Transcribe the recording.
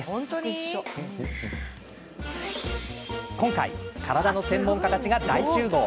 今回、体の専門家たちが大集合。